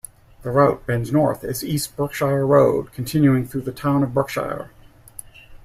The route bends north as East Berkshire Road, continuing through the town of Berkshire.